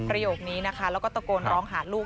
โยคนี้นะคะแล้วก็ตะโกนร้องหาลูก